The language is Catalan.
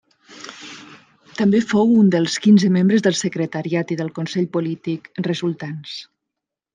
També fou un dels quinze membres del Secretariat i del Consell Polític resultants.